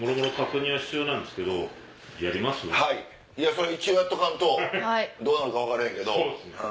それは一応やっとかんとどうなるか分からへんけど。